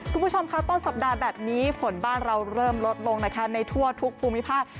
คุณผู้ชมค่ะต้นสัปดาห์แบบนี้ฝนบ้านเราเริ่มลดลงนะคะในทั่วทุกภูมิภาค